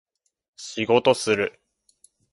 仕事する